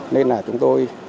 nên là chúng tôi